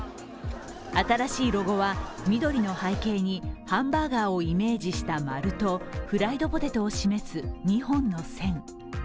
新しいロゴは、緑の背景にハンバーガーをイメージした丸とフライドポテトを示す２本の線。